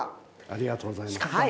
ありがとうございます。